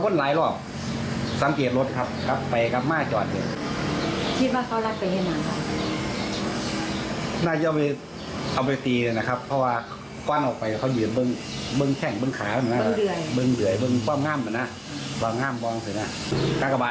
น้ำภูมิเก็บ